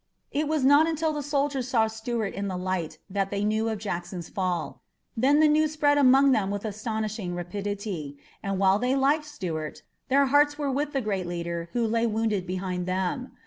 It was not until the soldiers saw Stuart in the light that they knew of Jackson's fall. Then the news spread among them with astonishing rapidity, and while they liked Stuart, their hearts were with the great leader who lay wounded behind them.